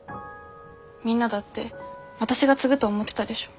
みんなだって私が継ぐと思ってたでしょ？